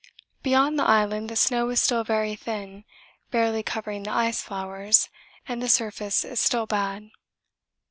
Beyond the island the snow is still very thin, barely covering the ice flowers, and the surface is still bad.